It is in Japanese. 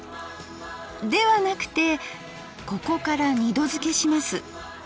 ではなくてここから二度漬けします。